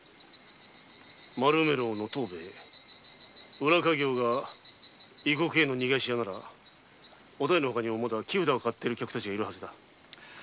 丸梅楼の藤兵衛裏稼業が異国への「逃がし屋」ならお妙のほかにも木札を買ってる客たちがいるはずだ。